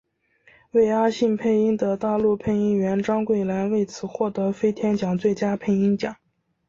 为阿信配音的大陆配音员张桂兰为此获得飞天奖最佳配音奖。